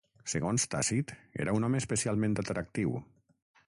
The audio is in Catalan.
Segons Tàcit era un home especialment atractiu.